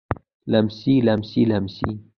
لمسی لمسي لمسې